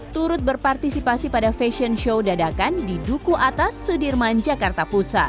turut berpartisipasi pada fashion show dadakan di duku atas sudirman jakarta pusat